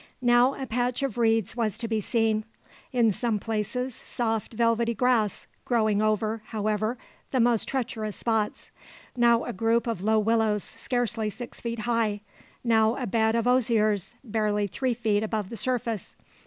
Now a patch of reeds was to be seen. In some places soft velvety grass, growing over, however, the most treacherous spots; now a group of low willows, scarcely six feet high; now a bed of osiers, barely three feet above the surface.